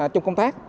trong công việc này